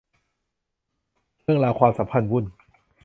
เรื่องราวความสัมพันธ์วุ่น